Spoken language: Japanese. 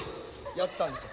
やってたんです。